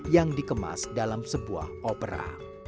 yang dikemas dalam sebuah opera